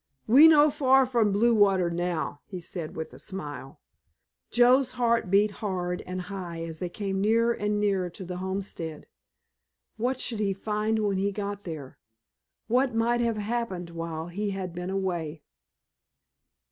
"We no far from Blue Water now," he said with a smile. Joe's heart beat hard and high as they came nearer and nearer to the homestead. What should he find when he got there? What might have happened while he had been away?